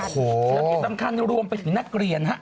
ธุรกิจสำคัญรวมไปถึงนักเรียนครับ